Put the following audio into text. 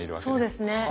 そうですね。